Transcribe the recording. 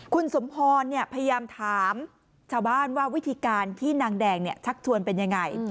คุณสมพรพยายามถามชาวบ้านว่าวิธีการที่นางแดงชักชวนเป็นยังไง